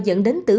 dẫn đến tử vụ